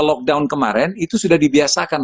lockdown kemarin itu sudah dibiasakan